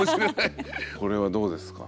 これはどうですか？